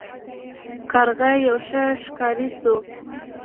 کارغه یو ښه ښکاري شو.